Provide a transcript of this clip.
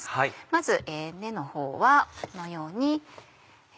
まず根のほうはこのように。